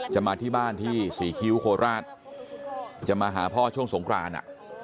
จะมาที่บ้านที่ศวิคริสต์โคลดราชจะมาหาพ่อช่วงสงคราน